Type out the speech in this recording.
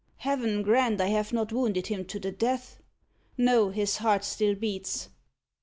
"Heaven grant I have not wounded him to the death! No, his heart still beats.